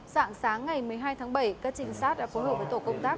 dạng sáng ngày một mươi hai tháng bảy các trinh sát đã phối hợp với tổ công tác